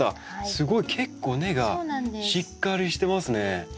すごい結構根がしっかりしてますね。